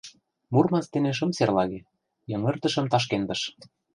Мурманск дене шым серлаге, йыҥгыртышым Ташкентыш.